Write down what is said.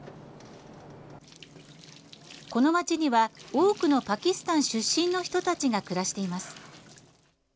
この町には多くのパキスタン出身の人たちが暮らしています。